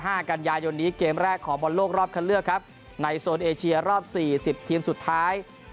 กันยายนนี้เกมแรกของบอลโลกรอบคันเลือกครับในโซนเอเชียรอบสี่สิบทีมสุดท้าย